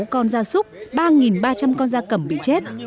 một mươi sáu con da súc ba ba trăm linh con da cẩm bị chết